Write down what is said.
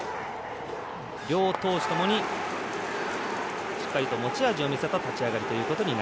両投手ともに、しっかりと持ち味を見せた立ち上がり。